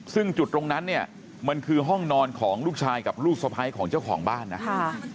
ซึ่งจุดตรงนั้นเนี่ยมันคือห้องนอนของลูกชายกับลูกสะพ้ายของเจ้าของบ้านนะ